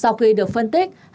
sau khi được phân tích